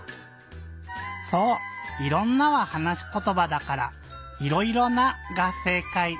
そう「いろんな」ははなしことばだから「いろいろな」がせいかい。